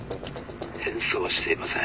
「変装はしていません」。